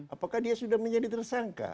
apakah dia sudah menjadi tersangka